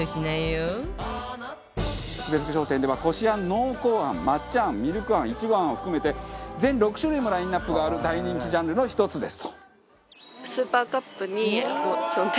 久世福商店ではこしあん濃厚あん抹茶あんミルクあん苺あんを含めて全６種類もラインアップがある大人気ジャンルの１つですと。